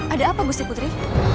ada apa gusti putri